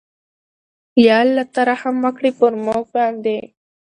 ېاالله ته رحم وکړې پرموګ باندې